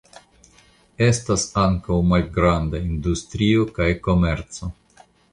Estas ankaŭ malgrandaj industrio kaj komerco.